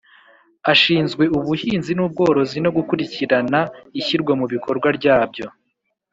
Ashinzwe ubuhinzi n’ubworozi no gukurikirana ishyirwa mu bikorwa ryabyo